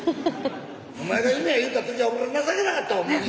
お前が夢や言った時は俺情けなかったほんまに。